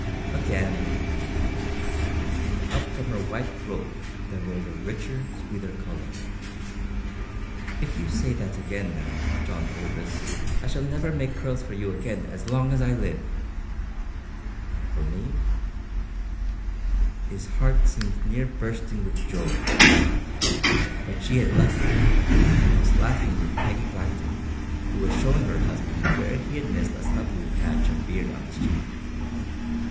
"Again!" And up from her white throat there rose a richer, sweeter colour. "If you say that again now, John Aldous, I shall never make curls for you again as long as I live!" "For me " His heart seemed near bursting with joy. But she had left him, and was laughing with Peggy Blackton, who was showing her husband where he had missed a stubbly patch of beard on his cheek.